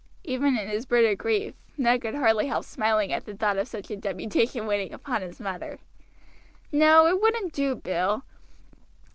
Even in his bitter grief Ned could hardly help smiling at the thought of such a deputation waiting upon his mother. "No, it wouldn't do, Bill."